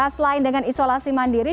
selain dengan isolasi mandiri